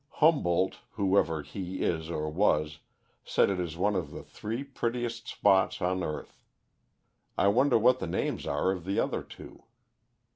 Humboldt, whoever he is or was, said it is one of the three prettiest spots on earth. I wonder what the names are of the other two.